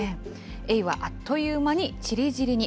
エイはあっという間にちりぢりに。